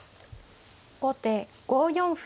後手５四歩。